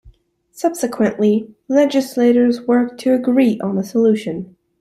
Subsequently, legislators worked to agree on a solution.